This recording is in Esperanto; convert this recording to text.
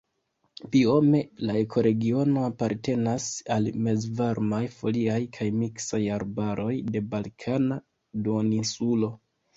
Biome la ekoregiono apartenas al mezvarmaj foliaj kaj miksaj arbaroj de Balkana Duoninsulo.